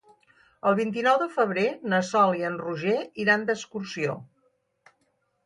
El vint-i-nou de febrer na Sol i en Roger iran d'excursió.